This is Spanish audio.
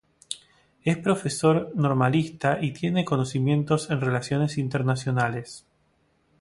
Es profesor normalista y tiene conocimientos en relaciones internacionales.